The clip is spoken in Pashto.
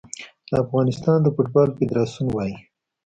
د افغانستان د فوټبال فدراسیون وايي